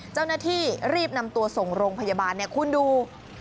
เจ้าหน้าที่รีบนำตัวส่งโรงพยาบาลเนี่ยคุณดู